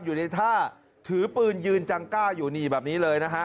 อยู่ในท่าถือปืนยืนจังกล้าอยู่นี่แบบนี้เลยนะฮะ